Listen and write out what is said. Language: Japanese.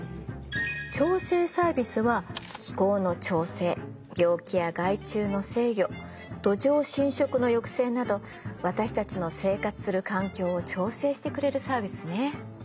調整サービスは気候の調整病気や害虫の制御土壌浸食の抑制など私たちの生活する環境を調整してくれるサービスね。